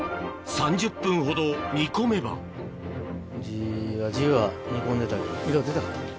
３０分ほど煮込めばじわじわ煮込んでたけど色出たかね？